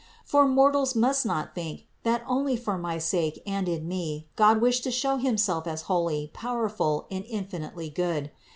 For mortals must not think that only for my sake and in me God wished to show Him self as holy, powerful and infinitely good.